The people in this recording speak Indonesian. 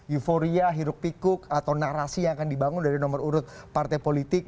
euforia hiruk pikuk atau narasi yang akan dibangun dari nomor urut partai politik